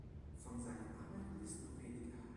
Von seinen Arbeiten ist nur wenig erhalten.